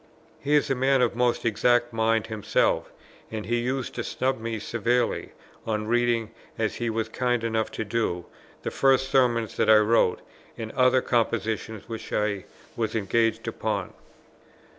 He is a man of most exact mind himself, and he used to snub me severely, on reading, as he was kind enough to do, the first Sermons that I wrote, and other compositions which I was engaged upon.